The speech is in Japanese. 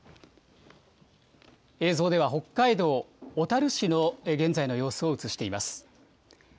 映像では北海道小樽市の現在の様子を映しています。